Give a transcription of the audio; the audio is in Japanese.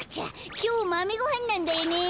きょうまめごはんなんだよね。